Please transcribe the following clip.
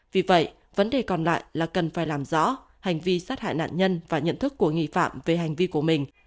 vì vậy vấn đề còn lại là cần phải làm rõ hành vi sát hại nạn nhân và nhận thức của nghi phạm về hành vi của mình